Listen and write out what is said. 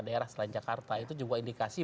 daerah selain jakarta itu juga indikasi